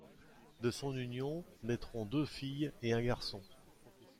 De son union naîtront deux filles et un garçon.